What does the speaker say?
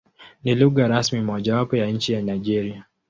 Ni lugha rasmi mojawapo ya nchi ya Nigeria.